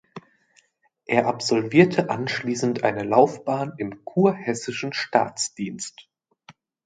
Er absolvierte anschließend eine Laufbahn im kurhessischen Staatsdienst.